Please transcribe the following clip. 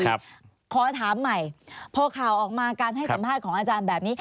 ขอถามใหม่พอข่าวออกมาการให้สัมภาษณ์ของอาจารย์แบบนี้